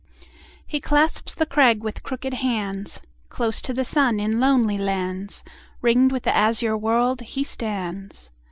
He clasps the crag with hooked hands; Close to the sun in lonely lands, Ring'd with the azure world, he stands.